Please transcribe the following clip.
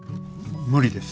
無理です。